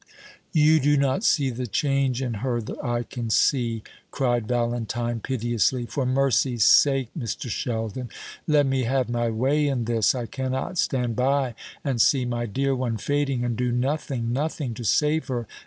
"You do not see the change in her that I can see," cried Valentine piteously. "For mercy's sake, Mr. Sheldon, let me have my way in this. I cannot stand by and see my dear one fading and do nothing nothing to save her.